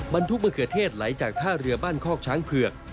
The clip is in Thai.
ทุกมะเขือเทศไหลจากท่าเรือบ้านคอกช้างเผือก